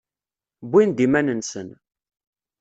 Wwin-d iman-nsen.